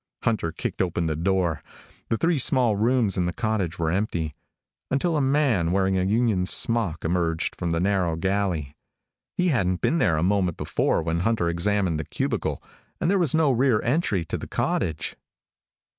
Hunter kicked open the door. The three small rooms in the cottage were empty until a man wearing a union smock emerged from the narrow galley. He hadn't been there a moment before when Hunter examined the cubicle, and there was no rear entry to the cottage.